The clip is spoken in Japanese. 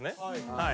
はい。